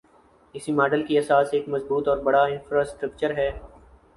اس model کی اساس ایک مضبوط اور بڑا انفراسٹرکچر ہے۔